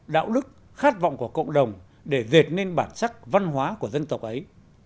đạo đức khát vọng của cộng đồng để dệt nên bản sắc văn hóa của dân tộc ấy